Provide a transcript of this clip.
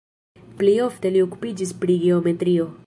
Plej ofte li okupiĝis pri geometrio.